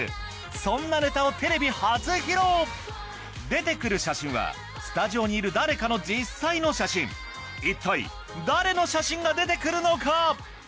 そんなネタをテレビ初披露出て来る写真はスタジオにいる誰かの実際の写真一体誰の写真が出て来るのか？